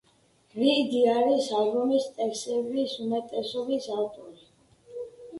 რიდი არის ალბომის ტექსტების უმეტესობის ავტორი.